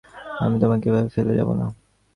আমি তোমাকে এভাবে ফেলে যাবনা।